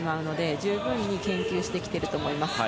十分に研究してきていると思います。